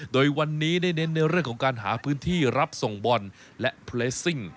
โดยวันนี้ได้เน้นในเรื่องของการหาพื้นที่รับส่งบอลและเพลสซิ่ง